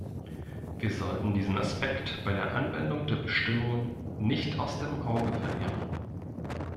Wir sollten diesen Aspekt bei der Anwendung der Bestimmungen nicht aus dem Auge verlieren.